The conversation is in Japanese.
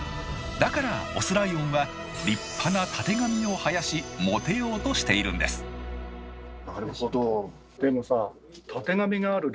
だからオスライオンは立派なたてがみを生やしモテようとしているんですなるほど。